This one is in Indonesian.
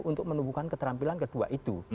untuk menumbuhkan keterampilan kedua itu